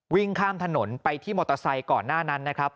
วิ่งข้ามถนนไปที่มอเตอร์ไซค์ก่อนหน้านั้นนะครับ